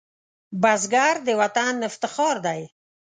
بزګر د وطن افتخار دی